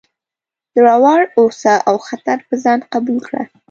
زړور اوسه او خطر په ځان قبول کړه.